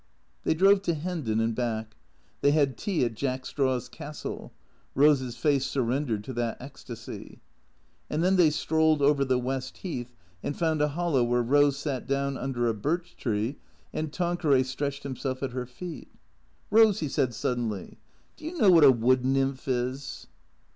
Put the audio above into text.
They drove to Hendon and back. They had tea at "Jack Straw's Castle." (Rose's face surrendered to that ecstasy.) And then they strolled over the West Heath and found a hollow where Rose sat down under a birch tree and Tanqueray stretched himself at her feet. " Rose," he said suddenly, " do you know what a wood nymph is?"